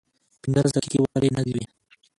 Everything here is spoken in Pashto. پينځلس دقيقې وتلې نه وې.